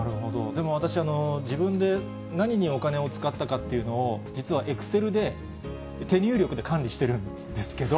でも私、自分で何にお金を使ったかっていうのを、実はエクセルで、手入力で管理しさすがです。